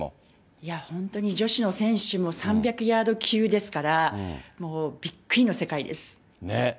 いや、本当に女子の選手も３００ヤード級ですから、もうびっくりの世界です。